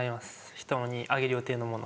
ひとにあげる予定のもの。